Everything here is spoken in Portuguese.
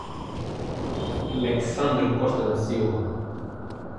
Alexsandro Costa da Silva